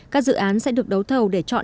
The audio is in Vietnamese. các dự án sẽ được đấu thầu để chọn